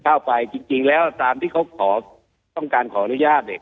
เข้าไปจริงแล้วตามที่เขาขอต้องการขออนุญาตเนี่ย